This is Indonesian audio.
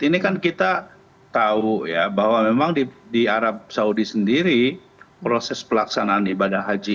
ini kan kita tahu ya bahwa memang di arab saudi sendiri proses pelaksanaan ibadah haji